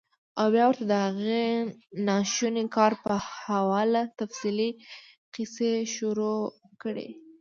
او بيا ورته د هغې ناشوني کار پۀ حواله تفصيلي قيصې شورو کړي -